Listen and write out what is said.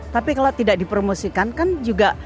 tapi kalau tidak dipromosikan kan juga